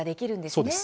そうです。